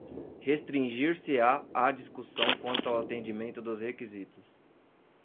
restringir-se-á à discussão quanto ao atendimento dos requisitos